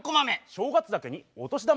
正月だけに落とし球。